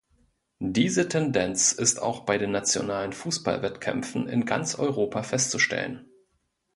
Diese Tendenz ist auch bei den nationalen Fußballwettkämpfen in ganz Europa festzustellen.